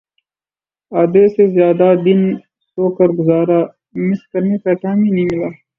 آدھے سے زیادہ دن سو کر گزارا مس کرنے کا ٹائم ہی نہیں ملا